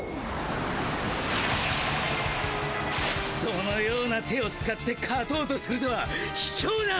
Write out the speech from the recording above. そのような手を使って勝とうとするとはひきょうな！